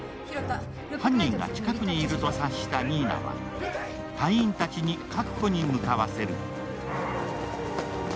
犯人が近くにいると察した新名は隊員たちに確保に向かわせる。